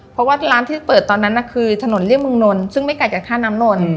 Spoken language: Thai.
เพราะว่าร้านที่เปิดตอนนั้นน่ะคือถนนเรียกมงนลซึ่งไม่ใกล้จากท่าน้ำนนท์